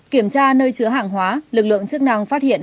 kiểm tra nơi chứa hàng hóa lực lượng chức năng phát hiện